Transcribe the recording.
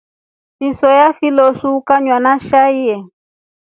Fisoya fifloso ikanywa na shai.